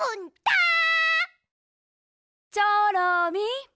チョロミー。